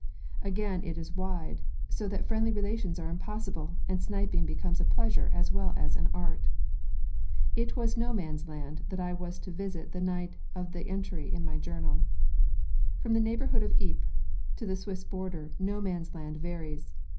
Again it is wide, so that friendly relations are impossible, and sniping becomes a pleasure as well as an art. It was No Man's Land that I was to visit the night of the entry in my journal. From the neighbourhood of Ypres to the Swiss border No Man's Land varies.